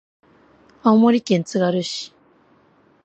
青森県つがる市